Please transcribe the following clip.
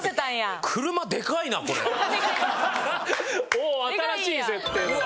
おお新しい設定だ。